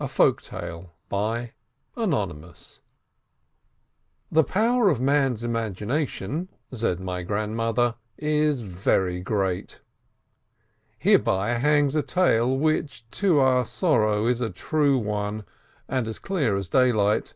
A FOLK TALE THE CLEVER RABBI The power of man's imagination, said my Grand mother, is very great. Hereby hangs a tale, which, to our sorrow, is a true one, and as clear as daylight.